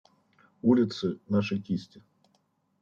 Улицы – наши кисти.